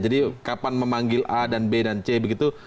jadi kapan memanggil a dan b dan c begitu